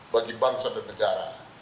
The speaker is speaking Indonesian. bagi bangsa dan negara